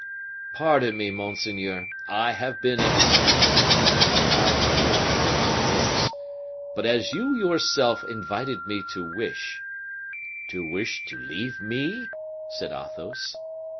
"Pardon me, monseigneur, I have been indiscreet," replied Raoul, in a firm voice; "but as you yourself invited me to wish " "To wish to leave me?" said Athos.